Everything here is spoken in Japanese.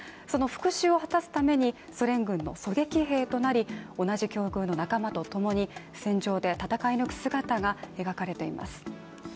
その復しゅうを果たすためにソ連軍の狙撃兵となり同じ境遇の仲間とともに戦場で戦い抜く姿が描かれています。